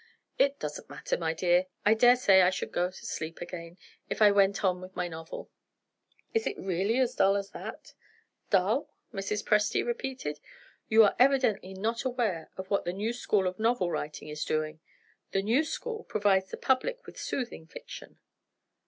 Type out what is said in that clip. "It doesn't matter, my dear. I daresay I should go to sleep again, if I went on with my novel." "Is it really as dull as that?" "Dull?" Mrs. Presty repeated. "You are evidently not aware of what the new school of novel writing is doing. The new school provides the public with soothing fiction."